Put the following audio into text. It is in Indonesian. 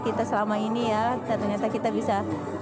kita selama ini ya ternyata kita bisa